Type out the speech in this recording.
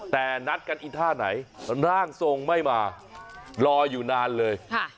แต่นัดกันอีท่าไหนร่างทรงไม่มารออยู่นานเลย